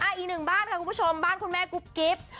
อีกหนึ่งบ้านค่ะคุณผู้ชมบ้านคุณแม่กุ๊บกิ๊บ